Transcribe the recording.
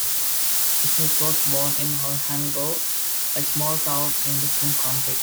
Smith was born in Owhango, a small town in the King Country.